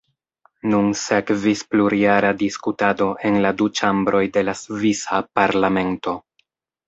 Nun sekvis plurjara diskutado en la du ĉambroj de la svisa parlamento.